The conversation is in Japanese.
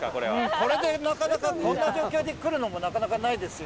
これでなかなかこんな状況で来るのもなかなかないですよ